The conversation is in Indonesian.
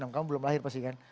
kamu belum lahir pasti kan